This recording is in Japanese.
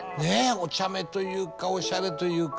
お茶目というかオシャレというか。